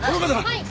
はい。